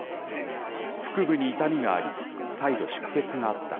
腹部に痛みがあり、再度出血があった。